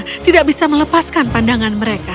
tapi dia tidak bisa melepaskan pandangan mereka